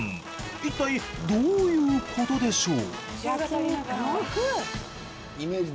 いったいどういうことでしょう？